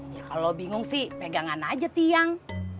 ya kalau bingung sih pegangan aja tiang